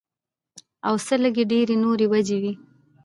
او څۀ لږې ډېرې نورې وجې وي